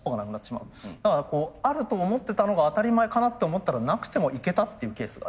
だからこうあると思ってたのが当たり前かなって思ったらなくてもいけたっていうケースがある。